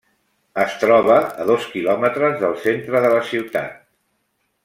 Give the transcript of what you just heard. Es troba a dos quilòmetres del centre de la ciutat.